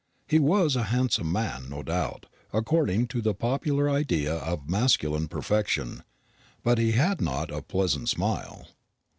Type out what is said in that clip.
He was a handsome man, no doubt, according to the popular idea of masculine perfection, but he had not a pleasant smile.